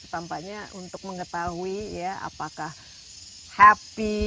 tampaknya untuk mengetahui ya apakah happy